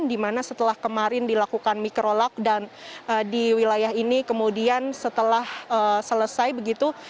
dimana setelah kemarin dilakukan mikrolak dan di wilayah ini kemudian setelah selesai begitu